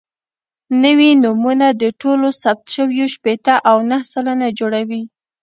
نوي نومونه د ټولو ثبت شویو شپېته او نهه سلنه جوړوي.